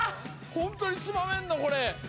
ホントにつまめんのこれ。